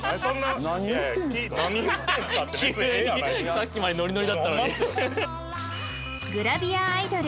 さっきまでノリノリだったのに。